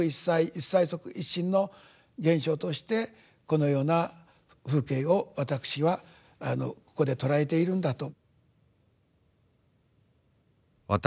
「一切即一身」の現象としてこのような風景をわたくしはここで捉えているんだと。